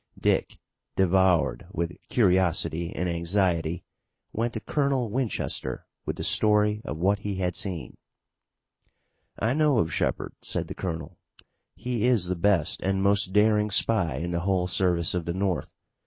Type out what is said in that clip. Dick, devoured with curiosity and anxiety, went to Colonel Winchester with the story of what he had seen. "I know of Shepard," said the colonel. "He is the best and most daring spy in the whole service of the North.